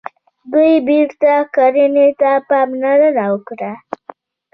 دوی بیرته کرنې ته پاملرنه وکړه.